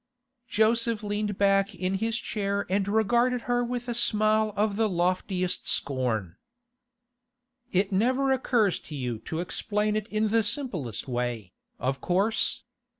Joseph leaned back in his chair and regarded her with a smile of the loftiest scorn. 'It never occurs to you to explain it in the simplest way, of course.